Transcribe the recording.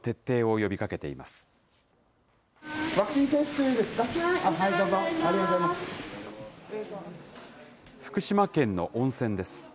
どうぞ、福島県の温泉です。